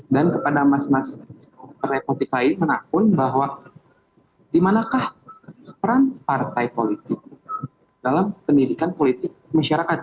dan kepada mas mas saya potipai menakun bahwa dimanakah peran partai politik dalam pendidikan politik masyarakat